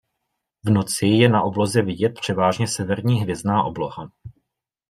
V noci je na obloze vidět převážně severní hvězdná obloha.